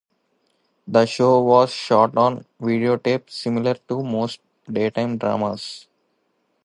The show was shot on videotape, similar to most daytime dramas.